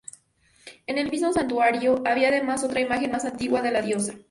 En el mismo santuario había además otra imagen más antigua de la diosa.